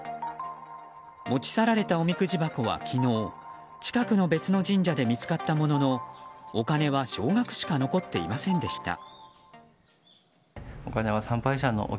持ち去られた、おみくじ箱は昨日近くの別の神社で見つかったもののお金は少額しか残っていませんでした。